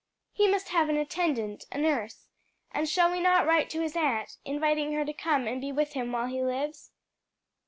"He must have an attendant a nurse. And shall we not write to his aunt, inviting her to come and be with him while he lives?